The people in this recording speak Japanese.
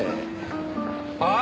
ああ！